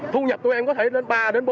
thu nhập tụi em có thể lên ba bốn trăm linh